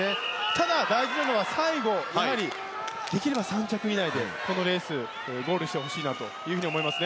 ただ大事なのは最後できれば３着以内でこのレースゴールしてほしいと思います。